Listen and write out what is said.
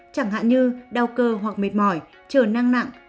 chẳng hạn như đau cơ hoặc mệt mỏi chờ năng nặng